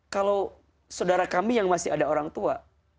kalau saudara kami yang masih ada orang tua